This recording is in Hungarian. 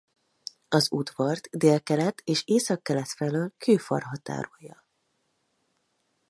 Az udvart délkelet és északkelet felől kőfal határolja.